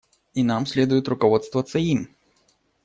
И нам следует руководствоваться им.